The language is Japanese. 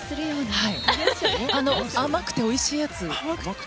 甘くておいしいやつ。